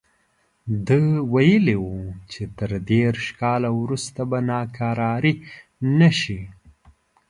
ده ویلي وو چې تر دېرش کاله وروسته به ناکراري نه شي.